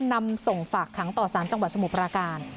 นำส่งฝากขังต่อสารจังหวัดสมุทรปราการ